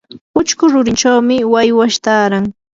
uchku rurinchawmi waywash taaran.